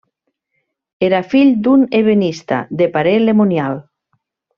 Era fill d'un ebenista de Paray-le-Monial.